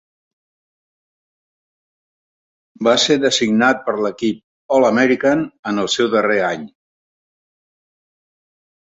Va ser designat per l'equip All-American en el seu darrer any.